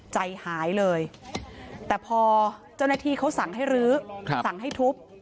ใจหายเลยแต่พอเจ้าหน้าที่เขาสั่งให้รื้อสั่งให้ทุบ